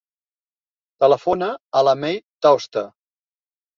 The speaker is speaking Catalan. Telefona a la Mei Tauste.